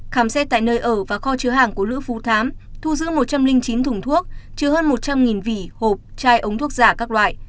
khám xét tại nơi ở và kho chứa hàng của lữ phú thám thu giữ một trăm linh chín thùng thuốc chứa hơn một trăm linh vỉ hộp chai ống thuốc giả các loại